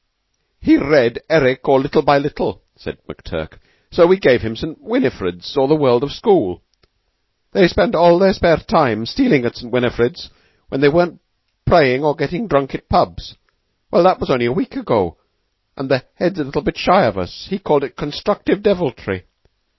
"He read 'Eric, or Little by Little,'" said McTurk; "so we gave him 'St. Winifred's, or the World of School.' They spent all their spare time stealing at St. Winifred's, when they weren't praying or getting drunk at pubs. Well, that was only a week ago, and the Head's a little bit shy of us. He called it constructive deviltry.